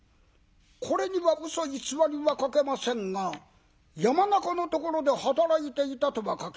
これにはうそ偽りは書けませんが山中のところで働いていたとは書きませんで。